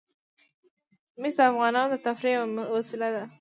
مس د افغانانو د تفریح یوه وسیله ده.